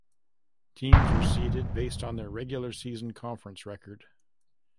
Teams were seeded based on their regular season conference record.